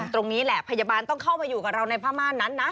ตรงนี้แหละพยาบาลต้องเข้ามาอยู่กับเราในพม่านนั้นนะ